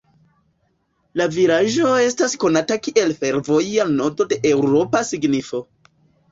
La vilaĝo estas konata kiel fervoja nodo de eŭropa signifo.